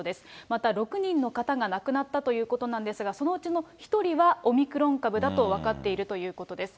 また６人の方が亡くなったということなんですが、そのうちの１人はオミクロン株だと分かっているということです。